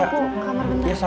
aku kamar beneran